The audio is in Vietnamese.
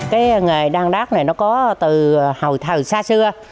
cái nghề đan đát này nó có từ hồi xa xưa